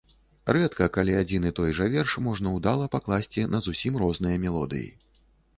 Рэдка калі адзін і той жа верш можна ўдала пакласці на зусім розныя мелодыі.